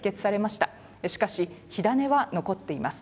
しかし、火種は残っています。